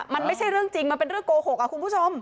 มันไม่ใช่เรื่องจริงมันเป็นเรื่องโกหกคุณผู้ชม